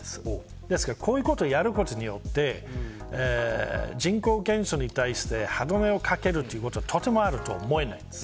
ですから、こういうことをやることによって人口減少に対して歯止めをかけるということがとてもあるとは思えません。